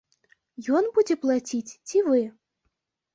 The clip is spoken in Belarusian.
Ён будзе плаціць ці вы?